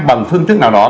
bằng phương thức nào đó